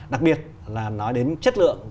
đặc biệt là nói đến chất lượng